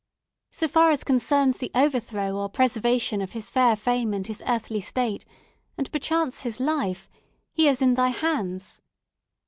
So far as concerns the overthrow or preservation of his fair fame and his earthly state, and perchance his life, he is in my hands.